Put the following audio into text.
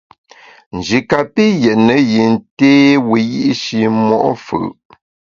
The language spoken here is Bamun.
Nji kapi yètne yin té wiyi’shi mo’ fù’.